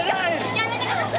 やめてください。